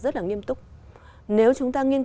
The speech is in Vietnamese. rất là nghiêm túc